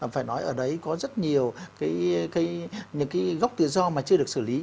phải nói ở đấy có rất nhiều những cái gốc tự do mà chưa được xử lý